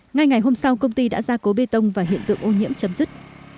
ngay ngày hôm sau công ty đã ra cố bê tông và hiện tượng ô nhiễm chấm dứt